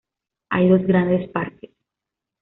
Hay dos grandes parques.